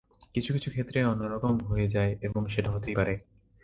কিছু কিছু ক্ষেত্রে অন্য রকম হয়ে যায় এবং সেটা হতেই পারে।